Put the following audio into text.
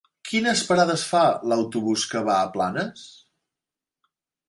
Quines parades fa l'autobús que va a Planes?